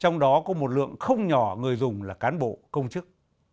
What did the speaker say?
trong đó có một lượng không nhỏ người dùng là cán bộ công chức